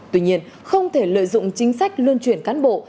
tuy nhiên không thể lợi dụng chính sách luân chuyển cán bộ